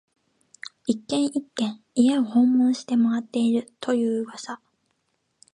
一軒、一軒、家を訪問して回っていると言う噂